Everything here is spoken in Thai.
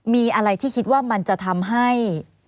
มีอะไรที่คิดว่ามันจะทำให้